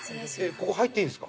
ここ入っていいんですか？